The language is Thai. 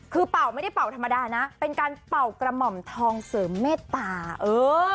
คือเป่าไม่ได้เป่าธรรมดานะเป็นการเป่ากระหม่อมทองเสริมเมตตาเออ